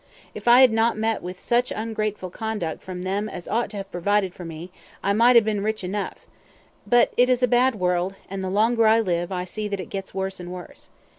If I had not met with such ungrateful conduct from them as ought to have provided for me, I might have been rich enuf; but it is a bad world, and the longer I live, I see that it gets worse and worse.